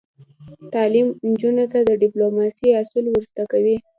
تعلیم نجونو ته د ډیپلوماسۍ اصول ور زده کوي.